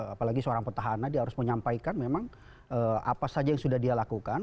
apalagi seorang petahana dia harus menyampaikan memang apa saja yang sudah dia lakukan